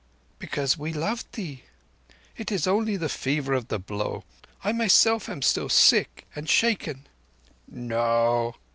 "Because we loved thee. It is only the fever of the blow. I myself am still sick and shaken." "No!